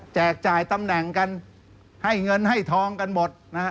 จ่ายตำแหน่งกันให้เงินให้ทองกันหมดนะฮะ